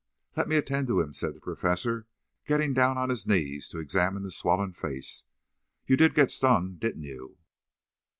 "Let me attend to him," said the Professor, getting down on his knees to examine the swollen face. "You did get stung, didn't you?"